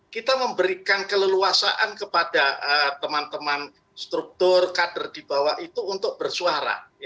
kita memberikan keleluasaan kepada teman teman struktur kader di bawah itu untuk bersuara